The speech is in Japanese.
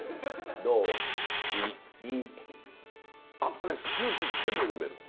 これスープ全部飲める。